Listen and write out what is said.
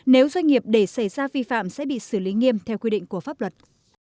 nếu doanh nghiệp để xảy ra vi phạm sẽ bị xử lý nghiêm theo quy định của pháp luật